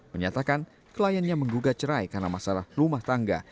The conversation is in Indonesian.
menyatakan kliennya menggugat cerai karena masalah rumah tangga